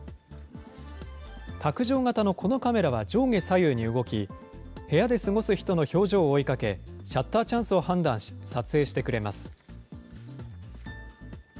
卓上型のこのカメラは上下左右に動き、部屋で過ごす人の表情を追いかけ、シャッターチャンスを判断し、撮影してくれます。